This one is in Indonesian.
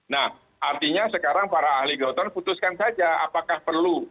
nah artinya sekarang para ahli geoton putuskan saja apakah perlu